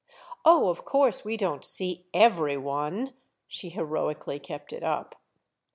"Oh of course we don't see every one!"—she heroically kept it up.